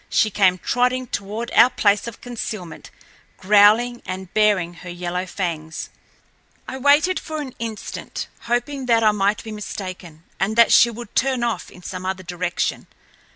She came trotting toward our place of concealment, growling and baring her yellow fangs. I waited for an instant, hoping that I might be mistaken, and that she would turn off in some other direction.